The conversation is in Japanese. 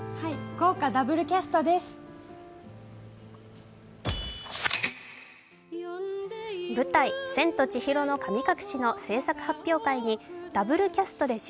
豪華ダブルキャストです。